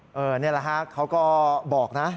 นี่แหละฮะเขาก็บอกนะ